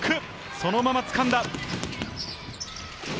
そのままつかんだ。